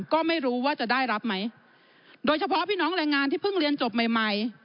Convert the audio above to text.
ก็ไม่รู้ว่าจะได้รับไหมโดยเฉพาะพี่น้องแรงงานที่เพิ่งเรียนจบใหม่ใหม่